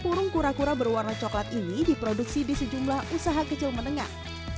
kue yang terbentuk kura kura berwarna coklat ini diproduksi di sejumlah usaha kecil menengah